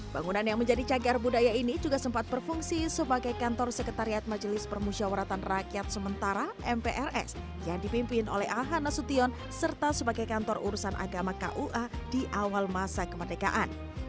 bangunan yang menjadi cagar budaya ini juga sempat berfungsi sebagai kantor sekretariat majelis permusyawaratan rakyat sementara mprs yang dipimpin oleh ahanasution serta sebagai kantor urusan agama kua di awal masa kemerdekaan